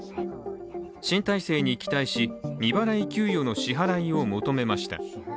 新体制に期待し、未払い給与の支払いを求めました。